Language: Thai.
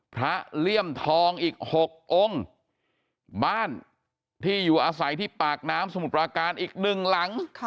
เลี่ยมทองอีก๖องค์บ้านที่อยู่อาศัยที่ปากน้ำสมุทรปราการอีกหนึ่งหลัง